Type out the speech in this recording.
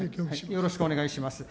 よろしくお願いします。